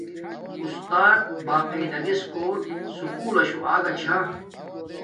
اُسات باقاعدگیس کوٹ سکول لشو آگا چھا